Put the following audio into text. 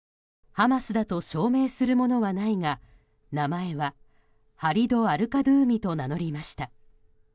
ハマスだと証明するものはないが名前はハリド・アルカドゥーミと名乗りました。